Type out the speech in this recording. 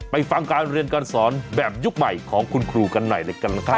ฟังการเรียนการสอนแบบยุคใหม่ของคุณครูกันหน่อยเลยกันนะครับ